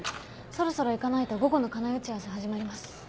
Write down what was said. そろそろ行かないと午後の課内打ち合わせ始まります。